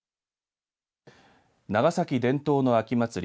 長崎伝統の秋祭り